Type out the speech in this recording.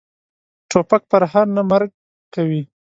توپک پرهر نه، مرګ کوي.